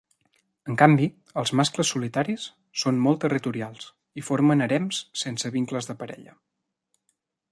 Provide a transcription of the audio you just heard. En canvi, els mascles solitaris són molt territorials i formen harems sense vincles de parella.